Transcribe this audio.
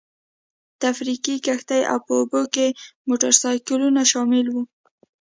تفریحي کښتۍ او په اوبو کې موټرسایکلونه شامل وو.